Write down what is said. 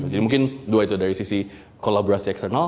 jadi mungkin dua itu dari sisi kolaborasi eksternal